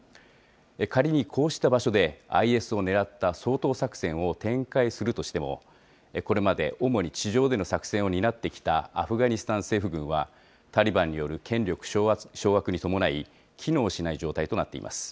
仮にこうした場所で、ＩＳを狙った掃討作戦を展開するとしても、これまで主に地上での作戦を担ってきたアフガニスタン政府軍は、タリバンによる権力掌握に伴い、機能しない状態となっています。